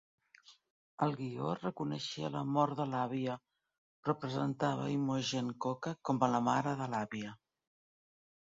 El guió reconeixia la mort de l'àvia, però presentava Imogene Coca com a la mare de l'àvia.